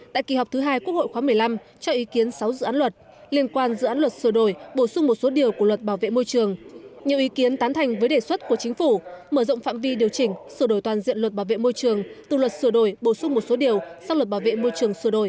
tại kỳ họp thứ hai quốc hội khóa một mươi năm cho ý kiến sáu dự án luật liên quan dự án luật sửa đổi bổ sung một số điều của luật bảo vệ môi trường